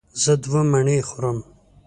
زه دوه مڼې خورم.